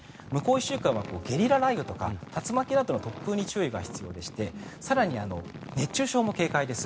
１週間はゲリラ雷雨とか竜巻などの突風に注意が必要でして更に、熱中症も警戒です。